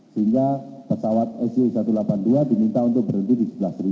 sehingga pesawat su satu ratus delapan puluh dua diminta untuk berhenti di sebelas